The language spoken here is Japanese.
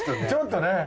ちょっとね。